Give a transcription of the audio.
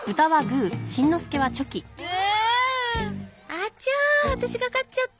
あちゃワタシが勝っちゃった